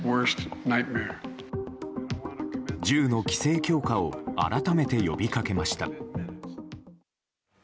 銃の規制強化を改めて呼びかけました。